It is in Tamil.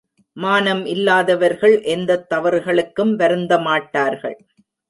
மானம் இல்லாதவர்கள் எந்த தவறுகளுக்கும் வருந்தமாட்டார்கள்.